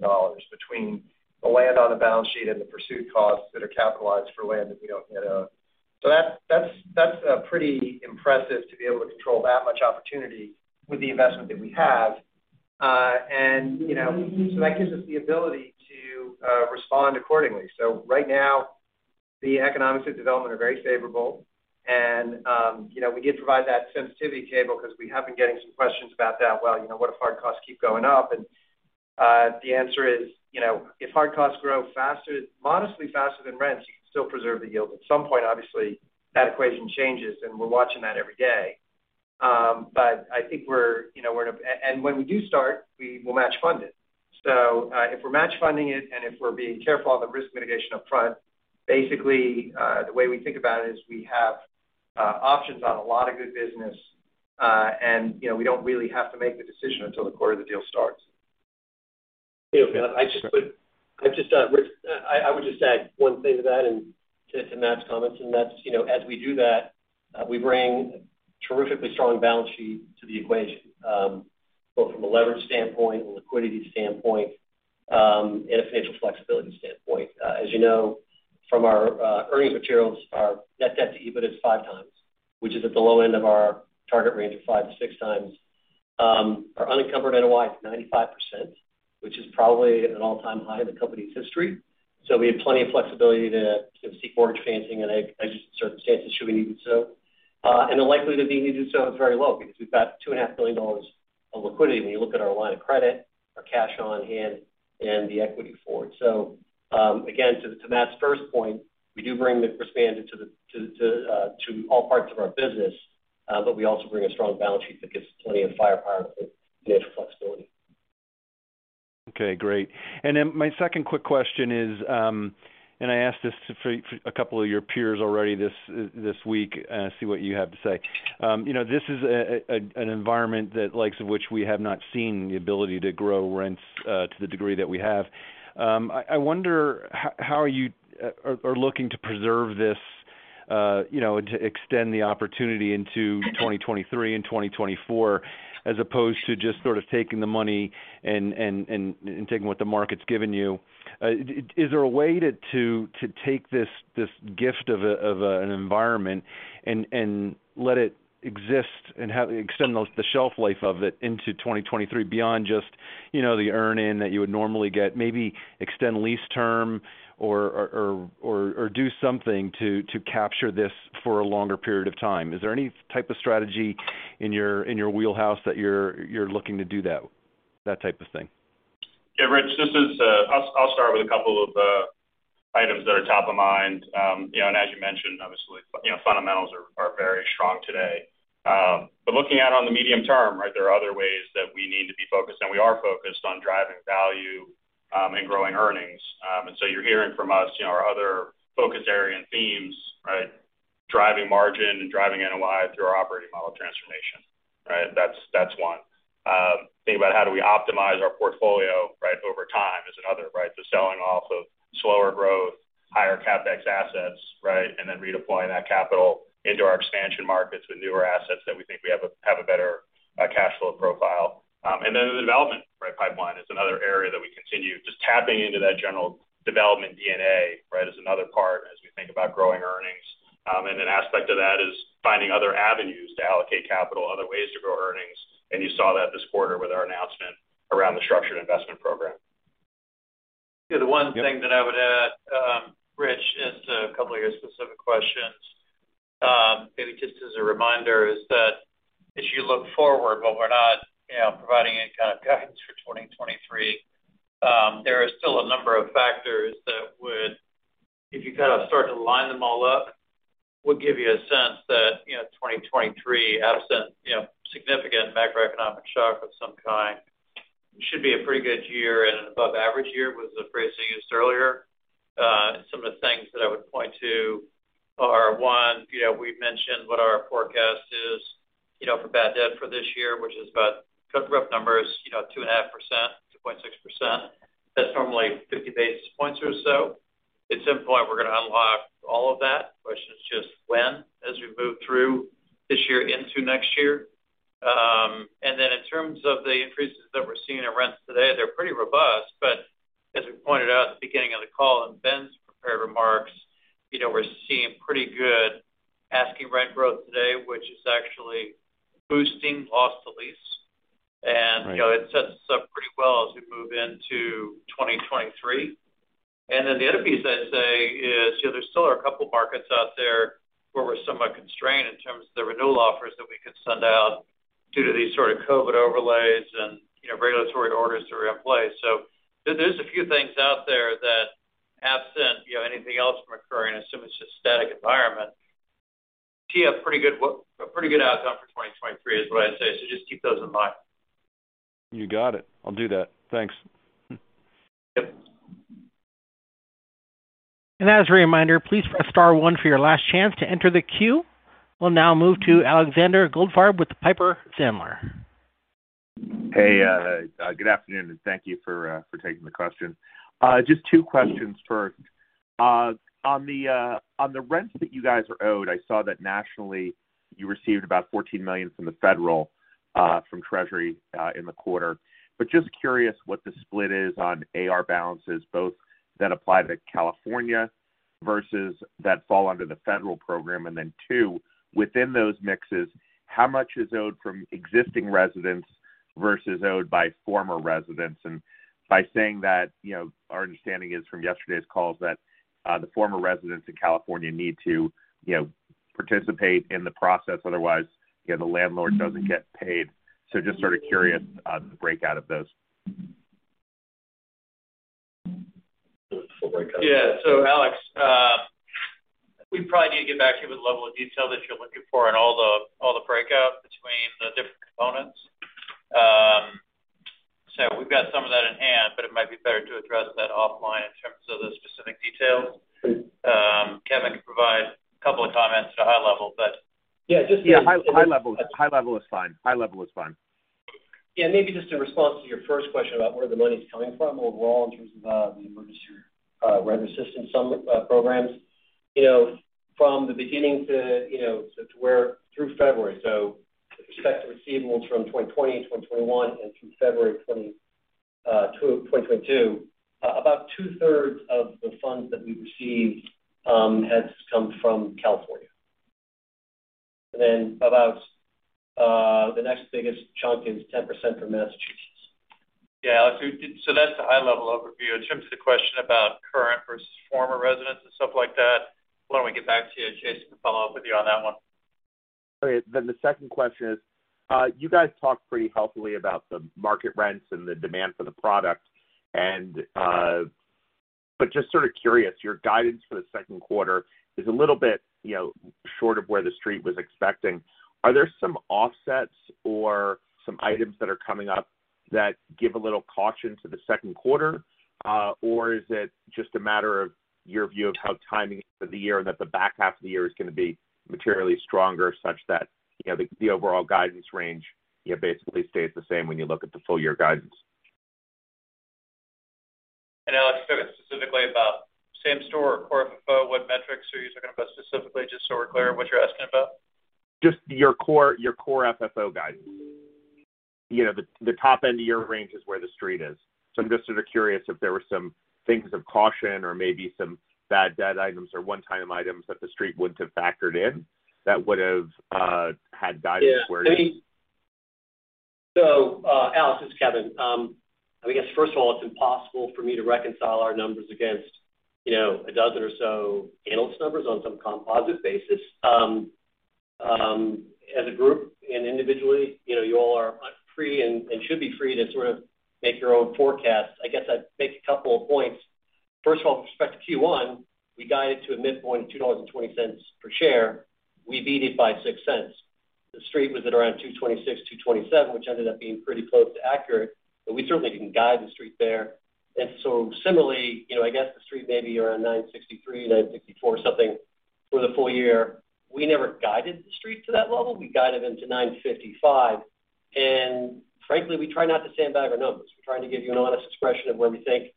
between the land on the balance sheet and the pursuit costs that are capitalized for land that we don't yet own. That's pretty impressive to be able to control that much opportunity with the investment that we have. That gives us the ability to respond accordingly. Right now, the economics of development are very favorable. We did provide that sensitivity table because we have been getting some questions about that. Well, what if hard costs keep going up? The answer is, if hard costs grow faster, modestly faster than rents, you can still preserve the yield. At some point, obviously, that equation changes, and we're watching that every day. But I think we're, you know, when we do start, we will match fund it. If we're match funding it and if we're being careful on the risk mitigation up front, basically, the way we think about it is we have options on a lot of good business, and, you know, we don't really have to make the decision until the quarter the deal starts. Yeah. I just, Rich, I would just add one thing to that and to Matt's comments, and that's, you know, as we do that, we bring a terrifically strong balance sheet to the equation. Both from a leverage standpoint, a liquidity standpoint, and a financial flexibility standpoint. As you know from our earnings materials, our net debt to EBITDAre is five times, which is at the low end of our target range of five to six times. Our unencumbered NOI is 95%, which is probably at an all-time high in the company's history. We have plenty of flexibility to seek mortgage financing in adverse circumstances should we need to do so. The likelihood of needing to do so is very low because we've got $2.5 billion of liquidity when you look at our line of credit, our cash on hand, and the equity forward. Again, to Matt's first point, we do bring the expanded to all parts of our business, but we also bring a strong balance sheet that gives plenty of firepower with financial flexibility. Okay, great. My second quick question is, I asked this to a couple of your peers already this week, see what you have to say. You know, this is an environment the likes of which we have not seen the ability to grow rents to the degree that we have. I wonder how you are looking to preserve this, you know, to extend the opportunity into 2023 and 2024 as opposed to just sort of taking the money and taking what the market's given you. Is there a way to take this gift of an environment and let it exist and have. Extend the shelf life of it into 2023 beyond just, you know, the earn-in that you would normally get, maybe extend lease term or do something to capture this for a longer period of time? Is there any type of strategy in your wheelhouse that you're looking to do that type of thing? Yeah, Rich, this is, I'll start with a couple of items that are top of mind. You know, as you mentioned, obviously, you know, fundamentals are very strong today. Looking out on the medium term, right, there are other ways that we need to be focused, and we are focused on driving value and growing earnings. You're hearing from us, you know, our other focus area and themes, right. Driving margin and driving NOI through our operating model transformation, right. That's one. Think about how we optimize our portfolio, right, over time is another, right. The selling off of slower growth, higher CapEx assets, right. Then redeploying that capital into our expansion markets with newer assets that we think we have a better cash flow profile. Then the development, right, pipeline is another area that we continue just tapping into that general development D&A, right. It is another part as we think about growing earnings. An aspect of that is finding other avenues to allocate capital, other ways to grow earnings. You saw that this quarter with our announcement around the Structured Investment Program. The one thing that I would add, Rich, is to a couple of your specific questions, maybe just as a reminder, is that as you look forward, but we're not, you know, providing any kind of guidance for 2023, there are still a number of factors that would, if you kind of start to line them all up, would give you a sense that, you know, 2023, absent, you know, significant macroeconomic shock of some kind, should be a pretty good year and an above average year, was the phrase they used earlier. Some of the things that I would point to are, one, you know, we've mentioned what our forecast is, you know, for bad debt for this year, which is about rough numbers, you know, 2.5%, 2.6%. That's normally 50 basis points or so. At some point, we're gonna unlock all of that. Question is just when, as we move through this year into next year. In terms of the increases that we're seeing in rents today, they're pretty robust. As we pointed out at the beginning of the call in Ben's prepared remarks, you know, we're seeing pretty good asking rent growth today, which is actually boosting loss to lease. Right. You know, it sets us up pretty well as we move into 2023. Then the other piece I'd say is, you know, there still are a couple markets out there where we're somewhat constrained in terms of the renewal offers that we can send out due to these sort of COVID overlays and, you know, regulatory orders that are in place. There's a few things out there that absent, you know, anything else from occurring, assume it's a static environment, see a pretty good outcome for 2023 is what I'd say. Just keep those in mind. You got it. I'll do that. Thanks. Yep. As a reminder, please press star one for your last chance to enter the queue. We'll now move to Alexander Goldfarb with Piper Sandler. Hey, good afternoon, and thank you for taking the question. Just two questions. First, on the rents that you guys are owed, I saw that nationally you received about $14 million from the federal, from Treasury, in the quarter. Just curious what the split is on AR balances, both that apply to California versus that fall under the federal program. Then two, within those mixes, how much is owed from existing residents versus owed by former residents? And by saying that, you know, our understanding is from yesterday's calls that, the former residents in California need to, you know, participate in the process, otherwise, you know, the landlord doesn't get paid. Just sort of curious on the breakout of those. The full breakout. Yeah. Alex, we probably need to get back to you with the level of detail that you're looking for on all the breakout between the different components. We've got some of that in hand, but it might be better to address that offline in terms of the specific details. Kevin can provide a couple of comments at high level, but Yeah, just high level. High level is fine. High level is fine. Yeah, maybe just in response to your first question about where the money's coming from overall in terms of the emergency rent assistance programs. You know, from the beginning to, you know, so to where through February, so with respect to receivables from 2020, 2021 and through February 2022, about two-thirds of the funds that we've received has come from California. Then about the next biggest chunk is 10% from Massachusetts. Yeah. That's the high-level overview. In terms of the question about current versus former residents and stuff like that, why don't we get back to you, Jason, to follow up with you on that one. Okay. The second question is, you guys talked pretty helpfully about the market rents and the demand for the product and. Just sort of curious, your guidance for the second quarter is a little bit, you know, short of where the street was expecting. Are there some offsets or some items that are coming up that give a little caution to the second quarter? Or is it just a matter of your view of how timing of the year and that the back half of the year is gonna be materially stronger, such that, you know, the overall guidance range, you know, basically stays the same when you look at the full year guidance? Alex, specifically about same store or Core FFO, what metrics are you talking about specifically, just so we're clear on what you're asking about? Just your core FFO guidance. You know, the top end of your range is where the street is. I'm just sort of curious if there were some things of caution or maybe some bad debt items or one-time items that the street wouldn't have factored in that would've had guidance where. Yeah. Alex, it's Kevin. I guess, first of all, it's impossible for me to reconcile our numbers against, you know, a dozen or so analyst numbers on some composite basis. As a group and individually, you know, you all are free and should be free to sort of make your own forecast. I guess I'd make a couple of points. First of all, with respect to Q1, we guided to a midpoint of $2.20 per share. We beat it by $0.06. The street was at around $2.26, $2.27, which ended up being pretty close to accurate, but we certainly didn't guide the street there. Similarly, you know, I guess the street maybe around $9.63, $9.64 or something for the full year. We never guided the street to that level. We guided them to $9.55. Frankly, we try not to sandbag our numbers. We're trying to give you an honest expression of where we think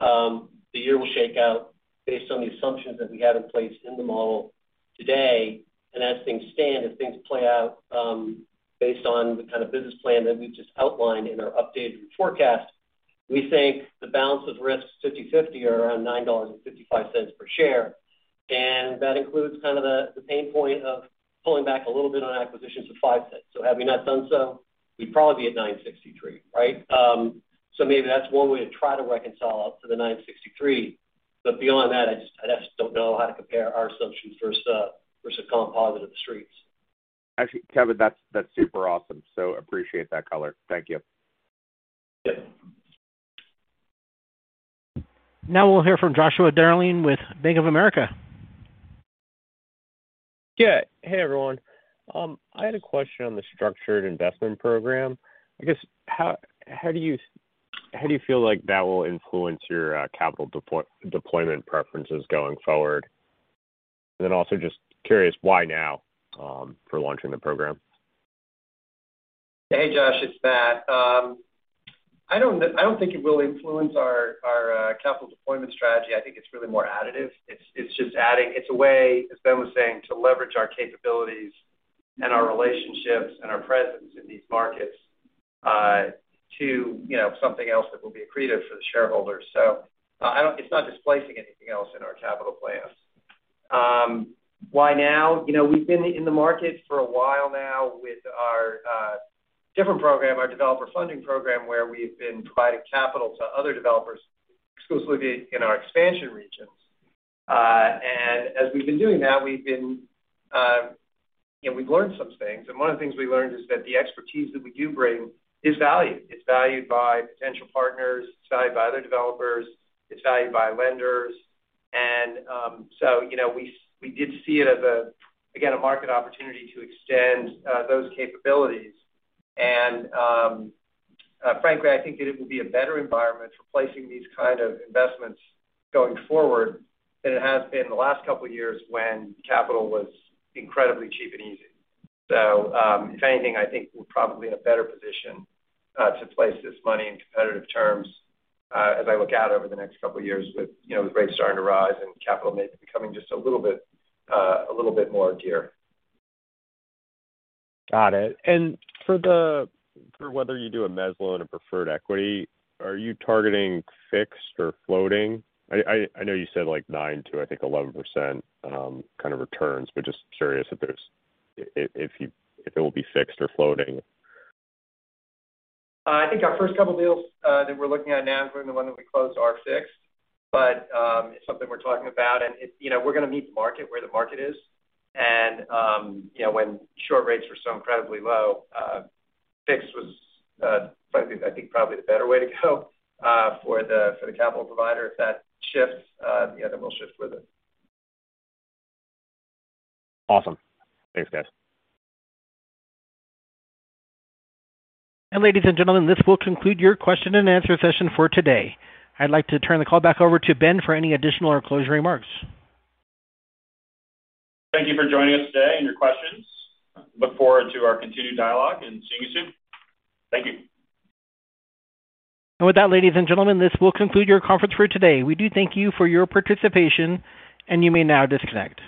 the year will shake out based on the assumptions that we have in place in the model today. As things stand, as things play out, based on the kind of business plan that we've just outlined in our updated forecast, we think the balance of risks 50/50 are around $9.55 per share. That includes kind of the pain point of pulling back a little bit on acquisitions of $0.05. Had we not done so, we'd probably be at $9.63, right? Maybe that's one way to try to reconcile up to the $9.63. Beyond that, I just don't know how to compare our assumptions versus composite of the Street's. Actually, Kevin, that's super awesome. Appreciate that color. Thank you. Yep. Now we'll hear from Joshua Dennerlein with Bank of America. Yeah. Hey, everyone. I had a question on the Structured Investment Program. I guess, how do you feel like that will influence your capital deployment preferences going forward? Also just curious why now for launching the program? Hey, Josh. It's Matt. I don't think it will influence our capital deployment strategy. I think it's really more additive. It's just adding. It's a way, as Ben was saying, to leverage our capabilities and our relationships and our presence in these markets, to you know, something else that will be accretive for the shareholders. It's not displacing anything else in our capital plans. Why now? You know, we've been in the market for a while now with our different program, our developer funding program, where we've been providing capital to other developers exclusively in our expansion regions. As we've been doing that, we've been, you know, we've learned some things. One of the things we learned is that the expertise that we do bring is valued. It's valued by potential partners. It's valued by other developers. It's valued by lenders. We did see it as, again, a market opportunity to extend those capabilities. Frankly, I think it would be a better environment for placing these kind of investments going forward than it has been the last couple of years when capital was incredibly cheap and easy. If anything, I think we're probably in a better position to place this money in competitive terms as I look out over the next couple of years with rates starting to rise and capital becoming just a little bit more dear. Got it. For whether you do a mezz loan or preferred equity, are you targeting fixed or floating? I know you said like 9% to, I think, 11% kind of returns, but just curious if it will be fixed or floating. I think our first couple deals that we're looking at now, including the one that we closed, are fixed. It's something we're talking about. You know, we're gonna meet the market where the market is. You know, when short rates were so incredibly low, fixed was, frankly, I think probably the better way to go, for the capital provider. If that shifts, you know, we'll shift with it. Awesome. Thanks, guys. Ladies and gentlemen, this will conclude your question and answer session for today. I'd like to turn the call back over to Ben for any additional or closing remarks. Thank you for joining us today and your questions. Look forward to our continued dialogue and seeing you soon. Thank you. With that, ladies and gentlemen, this will conclude your conference for today. We do thank you for your participation, and you may now disconnect.